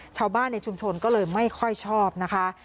ชาวบ้านในชุมชนก็เลยไม่ค่อยชอบนะคะ